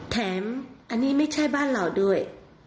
แถมอันนี้ไม่ใช่บ้านเราด้วย